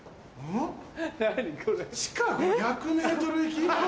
「地下５００ｍ行き」？